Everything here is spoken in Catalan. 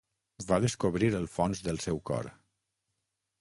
Va descobrir el fons del seu cor.